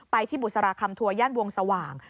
ที่บุษราคำทัวร์ย่านวงสว่าง